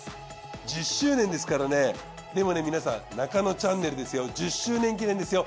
１０周年ですからねでもね皆さん『ナカノチャンネル』ですよ１０周年記念ですよ。